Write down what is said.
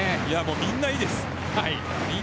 みんないいです。